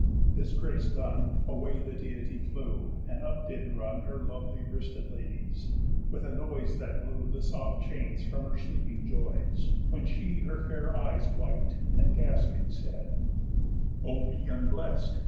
This grace done, Away the Deity flew; and up did run Her lovely wristed ladies, with a noise That blew the soft chains from her sleeping joys; When she her fair eyes wip'd, and, gasping, said: "O me unblest!